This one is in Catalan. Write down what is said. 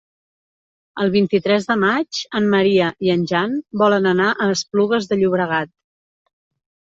El vint-i-tres de maig en Maria i en Jan volen anar a Esplugues de Llobregat.